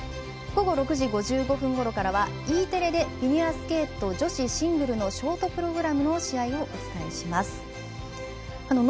午後６時５５分ごろからはＥテレでフィギュアスケート女子シングルのショートプログラムの試合をお伝えします。